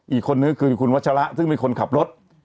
อีกคนนึกคือคุณวัชหละซึ่งมีคนขับรถ